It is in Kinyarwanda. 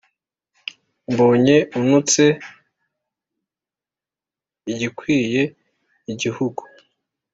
mbonye antutse igikwiye igihugu,